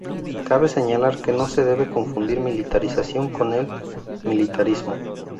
Cabe señalar que no se debe confundir militarización con militarismo.